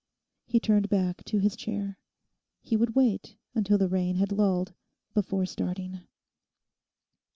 He turned back to his chair. He would wait until the rain had lulled before starting....